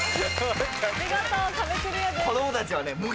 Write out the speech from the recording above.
見事壁クリアです。